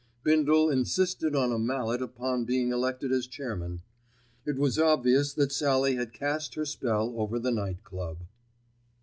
Bindle insisted on a mallet upon being elected as chairman. It was obvious that Sallie had cast her spell over the Night Club.